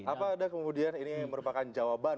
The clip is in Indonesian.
apa ada kemudian ini merupakan jawaban